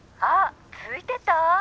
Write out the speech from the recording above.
「あっついてた？